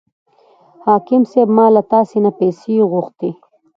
حاکم صاحب ما له تاسې نه پیسې غوښتې.